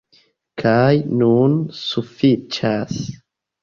Kaj nun sufiĉas.